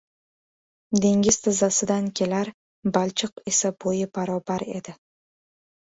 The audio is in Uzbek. — Dengiz tizzasidan kelar, balchiq esa bo‘yi barobar edi.